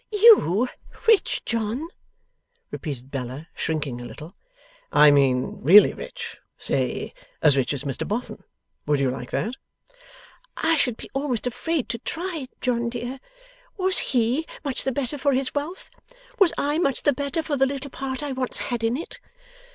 'You rich, John?' repeated Bella, shrinking a little. 'I mean, really rich. Say, as rich as Mr Boffin. You would like that?' 'I should be almost afraid to try, John dear. Was he much the better for his wealth? Was I much the better for the little part I once had in it?